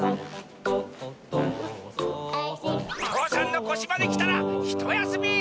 父山のこしまできたらひとやすみ！